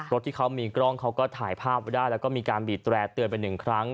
รถที่เขามีกล้องเขาก็ถ่ายภาพไว้ได้แล้วก็มีการบีดแร่เตือนไปหนึ่งครั้ง